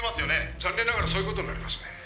「残念ながらそういう事になりますね」